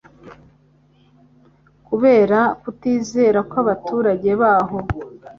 kubera kutizera kw'abaturage baho.